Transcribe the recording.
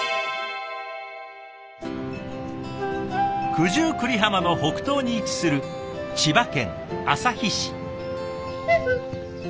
九十九里浜の北東に位置する千葉県旭市。